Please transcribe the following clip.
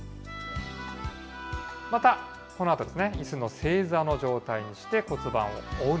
また、このあと、いすの正座の状態にして骨盤をオンに。